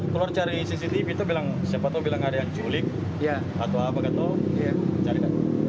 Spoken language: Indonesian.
keluar cari cctv itu bilang siapa tau bilang ada yang culik atau apa gitu carikan